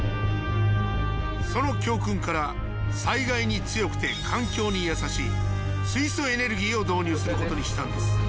その教訓から災害に強くて環境に優しい水素エネルギーを導入することにしたんです。